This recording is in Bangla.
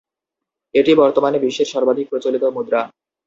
এটি বর্তমানে বিশ্বের সর্বাধিক প্রচলিত মুদ্রা।